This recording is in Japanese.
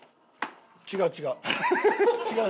違う違う！